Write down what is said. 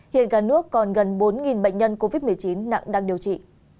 hiện cả nước còn gần bốn bệnh nhân covid một mươi chín nặng đang điều trị